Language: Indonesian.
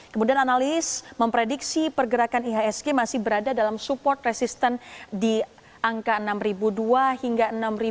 kemudian analis memprediksi pergerakan ihsg masih berada dalam support resistant di angka enam dua ratus hingga enam tiga ratus lima puluh lima